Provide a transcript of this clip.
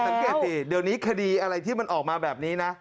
สังเกตสิเดี๋ยวนี้คดีอะไรที่มันออกมาแบบนี้นะ